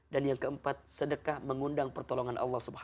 dan yang keempat sedekah mengundang pertolongan allah swt